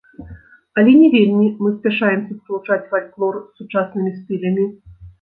Але не вельмі мы спяшаемся спалучаць фальклор з сучаснымі стылямі.